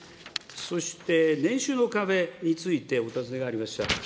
そして年収の壁についてお尋ねがありました。